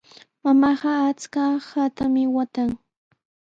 Mamaaqa achka haatami waatan.